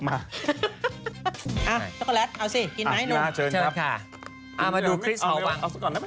มาดูคริสเฮาวัง